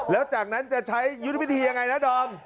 แล้วจากนั้นจะใช้ยุทธวิธียังไงนะดอม